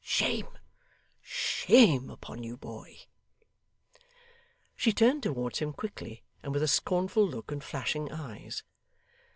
Shame shame upon you, boy!' She turned towards him quickly, and with a scornful look and flashing eyes.